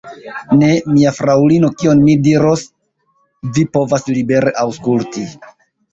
Ne, mia fraŭlino, kion mi diros, vi povas libere aŭskulti.